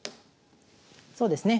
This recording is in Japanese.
そうですね。